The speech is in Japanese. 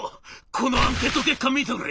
このアンケート結果見てくれ。